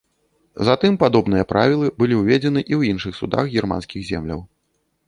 Затым падобныя правілы былі ўведзены і ў іншых судах германскіх земляў.